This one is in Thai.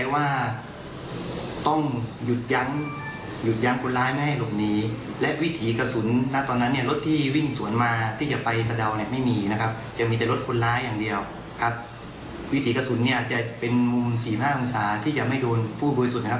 วิถีกระสุนเนี่ยจะเป็นมูล๔๕องศาที่จะไม่โดนผู้บริสุทธิ์นะครับ